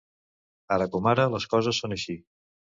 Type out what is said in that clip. Ara com ara, les coses són així.